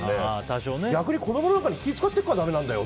逆に子供に気を使ってるからだめなんだよ。